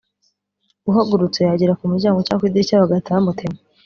uhagurutse yagera ku muryango cyangwa ku idirishya bagahita bamutema